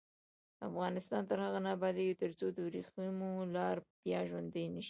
افغانستان تر هغو نه ابادیږي، ترڅو د وریښمو لار بیا ژوندۍ نشي.